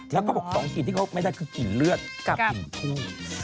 แล้วก็บอก๒กลิ่นที่เขาไม่ได้คือกลิ่นเลือดกับกลิ่นคู่